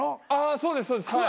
そうですそうですはい。